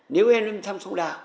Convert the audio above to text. nếu em đi thăm sông đà